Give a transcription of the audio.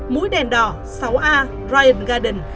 mũi đèn đỏ sáu a ryan garden